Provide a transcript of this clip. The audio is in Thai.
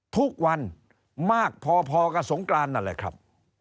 ทุกวันมากพอกับสงกรานนั่นแหละครับ